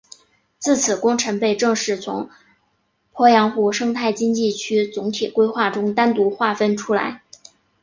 自此工程被正式从鄱阳湖生态经济区总体规划中单独划分出来。